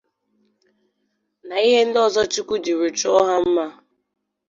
na ihr ndị ọzọ Chukwu jiri chọọ ha mma.